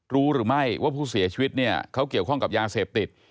รู้หรือไม่ว่าผู้เสียชีวิตเนี่ยเขาเกี่ยวข้องกับยาเสพติด